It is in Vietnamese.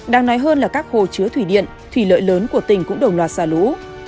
đáng nói hơn là các hồ chứa thủy điện thủy lợi lớn của tỉnh cũng đổng loạt xa lũ